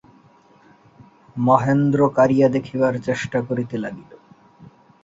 মহেন্দ্র কাড়িয়া দেখিবার চেষ্টা করিতে লাগিল।